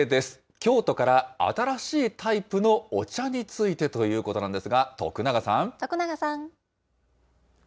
京都から新しいタイプのお茶についてということなんですが、徳永徳永さん。